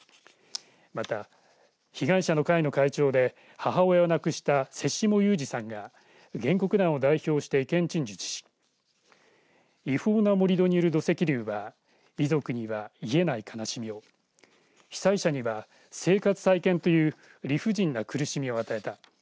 また、被害者の会の会長で母親を亡くした瀬下雄史さんが原告団を代表して意見陳述し違法な盛り土による土石流は遺族には癒えない悲しみを被災者には生活再建という理不尽な苦しみを与えた。